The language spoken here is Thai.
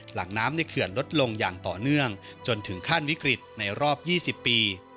หลังน้ำในเขื่อนลดลงอย่างต่อเนื่องจนถึงขั้นวิกฤตในรอบ๒๐ปี